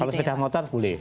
kalau sepeda motor boleh